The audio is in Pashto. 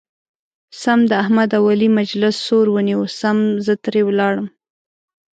سم د احمد او علي مجلس سور ونیو سم زه ترې ولاړم.